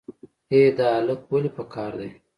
ای دا الک ولې په قار دی.